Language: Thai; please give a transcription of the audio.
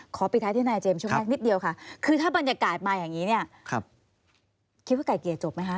ปิดท้ายที่นายเจมส์ช่วงแรกนิดเดียวค่ะคือถ้าบรรยากาศมาอย่างนี้เนี่ยคิดว่าไก่เกลียจบไหมคะ